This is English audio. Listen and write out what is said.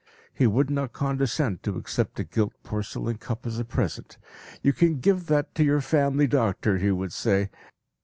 He would not condescend to accept a gilt porcelain cup as a present. "You can give that to your family doctor," he would say.